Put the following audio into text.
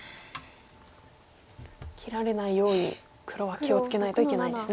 切られないように黒は気を付けないといけないんですね。